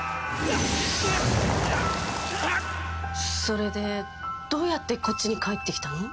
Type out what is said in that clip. それでどうやってこっちに帰ってきたの？